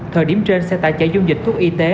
thời điểm trên xe tải chạy dung dịch thuốc y tế